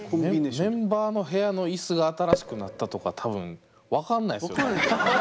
メンバーの部屋のイスが新しくなったとか多分分かんないっすよ。